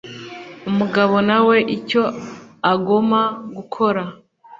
umugabo nawe icyo agoma gukora